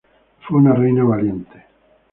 Fue una reina valiente.